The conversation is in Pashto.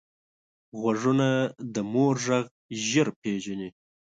غوږونه د مور غږ ژر پېژني